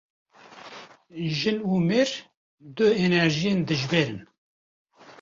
Jin û mêr, du enerjiyên dijber in